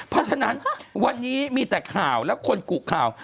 เพราะฉะนั้นวันนี้มีแต่ข่าวและคนกุข่าว